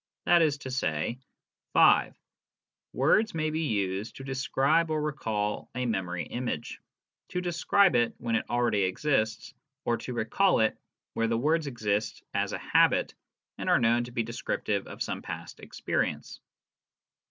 That is to say : (5) Words may be used to describe or recall a memory image: to describe it when it already exists, or to recall it where the words exist as a habit and are known to be descriptive of some past experience.